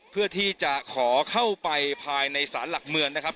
เพื่อที่จะขอเข้าไปภายในศาลหลักเมืองนะครับ